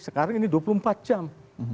sekarang ini dua puluh empat jam